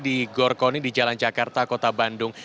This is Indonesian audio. di gor koni di jalan jakarta kota bandung